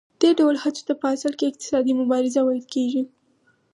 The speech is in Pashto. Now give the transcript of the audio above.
دې ډول هڅو ته په اصل کې اقتصادي مبارزه ویل کېږي